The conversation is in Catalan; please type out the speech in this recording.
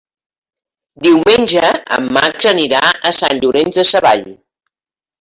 Diumenge en Max anirà a Sant Llorenç Savall.